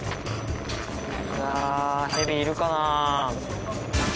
あぁヘビいるかな？